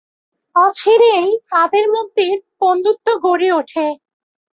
অচিরেই তাদের মধ্যে বন্ধুত্ব গড়ে উঠে।